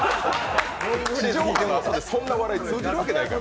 地上波の朝でそんな笑い通じるわけないから。